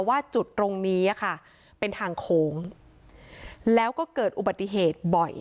ว่าจุดตรงนี้ค่ะเป็นทางโค้งแล้วก็เกิดอุบัติเหตุบ่อย